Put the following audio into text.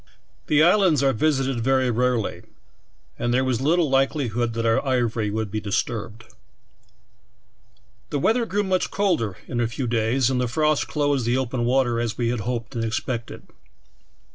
The islands are visited very rarely, FROZEN TO AN ICE FLOE. 41 and there was little likelihood that our ivory would be disturbed. "The weather grew much colder in a few days, and the frost closed the open water as we had hoped and expected.